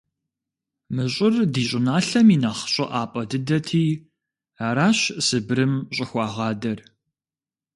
Мы щӏыр ди щӏыналъэм и нэхъ щӏыӏапӏэ дыдэти аращ Сыбырым щӏыхуагъэдар.